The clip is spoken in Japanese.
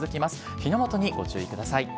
火の元にご注意ください。